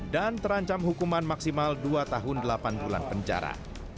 dan terancam hukuman maksimal dua tahun delapan bulan penjara